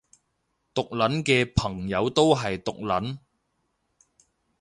毒撚嘅朋友都係毒撚